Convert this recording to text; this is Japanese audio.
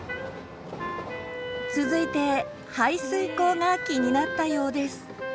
続いて排水溝が気になったようです。